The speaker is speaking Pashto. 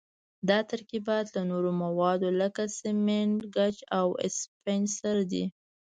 دا ترکیبات له نورو موادو لکه سمنټ، ګچ او اسفنج سره دي.